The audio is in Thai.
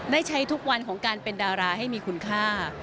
ได้ใช้ทุกวันของการเป็นดาราให้มีคุณค่า